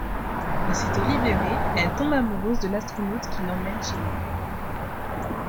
Aussitôt libérée, elle tombe amoureuse de l'astronaute qui l'emmène chez lui.